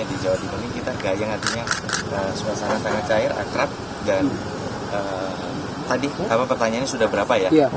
tadi pertanyaannya sudah berapa ya